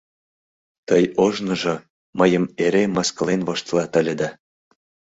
— Тый ожныжо... мыйым... эре мыскылен воштылат ыле да...